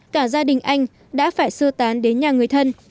cả gia đình anh đã phải sơ tán đến nhà người thân